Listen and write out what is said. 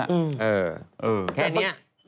แค่นี้